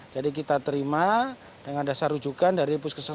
jadi kita terima dengan dasar rujukan dari puskesmas